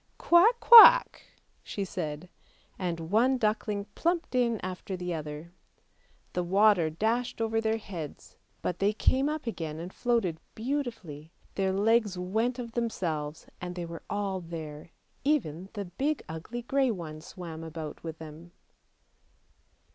" Quack, quack! " she said, and one duckling plumped in after the other. The water THE UGLY DUCKLING 385 dashed over their heads, but they came up again and floated beautifully; their legs went of themselves, and they were all there, even the big ugly grey one swam about with them.